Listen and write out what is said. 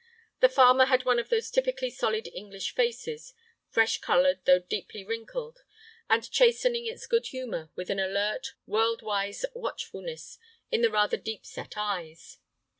The farmer had one of those typically solid English faces, fresh colored though deeply wrinkled, and chastening its good humor with an alert, world wise watchfulness in the rather deep set eyes.